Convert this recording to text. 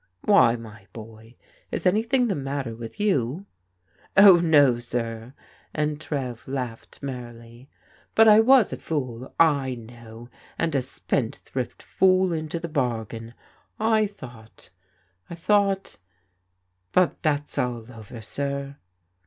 Why, my boy? Is anything the matter with you?'* Oh, no, sir," and Trev laughed merrily, " but I was a fool, I know, and a spendthrift fool into the bargain. I thought — I thought But that's all over, sir."